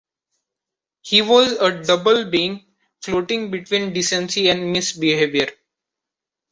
He was a double being, floating between decency and misbehavior.